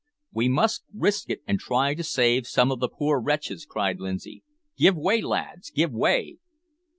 "We must risk it, and try to save some of the poor wretches," cried Lindsay; "give way, lads, give way!"